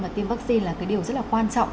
và tiêm vắc xin là cái điều rất là quan trọng